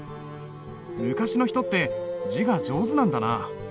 昔の人って字が上手なんだなあ。